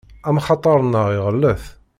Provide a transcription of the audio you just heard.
Amxaṭer-nneɣ iɣellet.